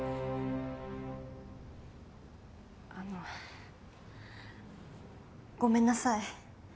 あのごめんなさい。